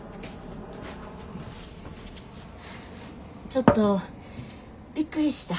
ちょっとびっくりした。